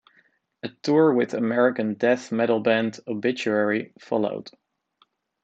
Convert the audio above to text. A tour with American death metal band, Obituary, followed.